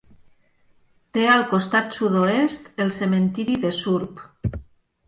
Té al costat sud-oest el cementiri de Surp.